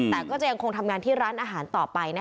แต่ก็จะยังคงทำงานที่ร้านอาหารต่อไป